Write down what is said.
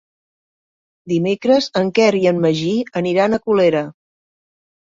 Dimecres en Quer i en Magí aniran a Colera.